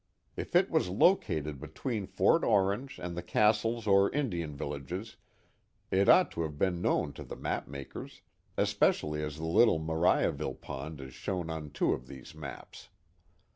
If it was located between Fort Orange and the castles or Indian villages, it ought to have been known to the map makers, especially as the little Maiiaville pond is shown on two of these maps.